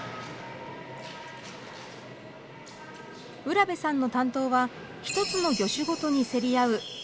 浦辺さんの担当は一つの魚種ごとに競り合う山もの。